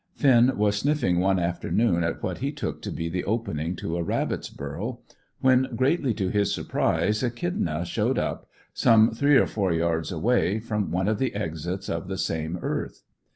Finn was sniffing one afternoon at what he took to be the opening to a rabbit's burrow, when, greatly to his surprise, Echidna showed up, some three or four yards away, from one of the exits of the same earth.